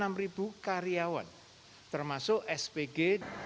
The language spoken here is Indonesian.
ada sampai enam karyawan termasuk spg